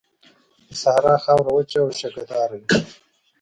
د صحرا خاوره وچه او شګهداره وي.